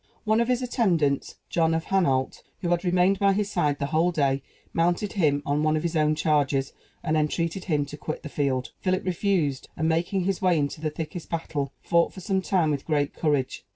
One of his attendants, John of Hainault, who had remained by his side the whole day, mounted him on one of his own chargers, and entreated him to quit the field. Philip refused; and, making his way into the thickest battle, fought for some time with great courage.